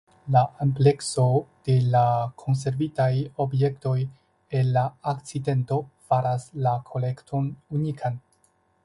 La amplekso de la konservitaj objektoj el la akcidento faras la kolekton unikan.